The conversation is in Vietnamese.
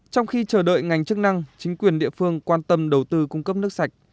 trong khi chờ đợi ngành chức năng chính quyền địa phương quan tâm đầu tư cung cấp nước sạch